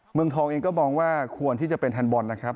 เมืองทองเองก็มองว่าควรที่จะเป็นแทนบอลนะครับ